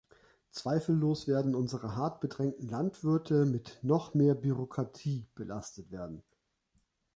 Zweifellos werden unsere hart bedrängten Landwirte mit noch mehr Bürokratie belastet werden.